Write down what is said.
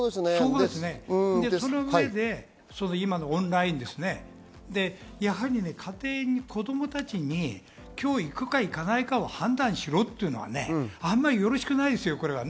その上で、オンライン、やはり家庭で子供たちに今日行くか行かないかを判断しろというのはあまりよろしくないですよ。